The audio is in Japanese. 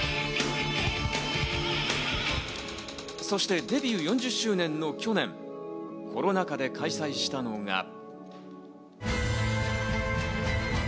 そしてデビュー４０周年の去年、コロナ禍で開催したのが。